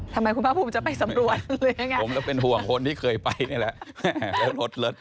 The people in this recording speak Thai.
ทำไมคุณพ่อภูมิจะไปสำรวจผมก็เป็นห่วงคนที่เคยไปนี่แหละแล้วรถเลิก